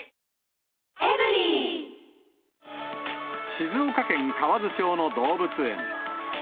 静岡県河津町の動物園。